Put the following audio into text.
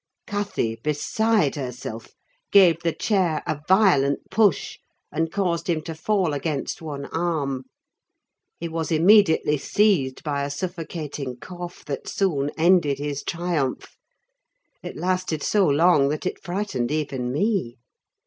Cathy, beside herself, gave the chair a violent push, and caused him to fall against one arm. He was immediately seized by a suffocating cough that soon ended his triumph. It lasted so long that it frightened even me.